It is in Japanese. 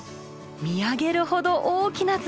見上げるほど大きなツバキ。